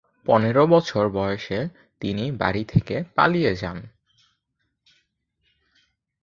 পনের বছর বয়সে তিনি বাড়ি থেকে পালিয়ে যান।